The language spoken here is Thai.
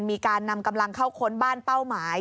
มีการนำกำลังเข้าค้นบ้านเป้าหมาย